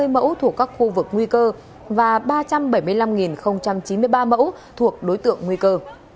bốn trăm một mươi sáu ba trăm ba mươi mẫu thuộc các khu vực nguy cơ và ba trăm bảy mươi năm chín mươi ba mẫu thuộc đối tượng nguy cơ